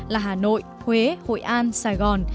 là hà nội huế hội an sài gòn